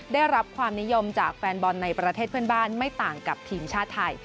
ได้รับความนิยมจากแฟนบอลในประเทศเพื่อนบ้านไม่ต่างกับทีมชาติไทย